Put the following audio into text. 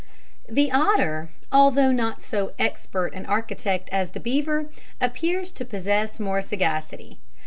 The otter, although not so expert an architect as the beaver, appears to possess more sagacity.